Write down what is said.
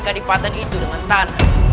kadipaten itu dengan tanah